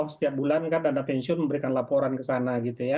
setiap bulan kan dana pensiun memberikan laporan ke sana gitu ya